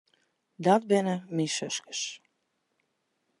Dat binne myn suskes.